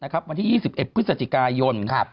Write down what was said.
วันที่๒๑พฤศจิกายน